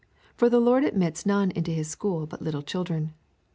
For the Lord admits none into his school but little children.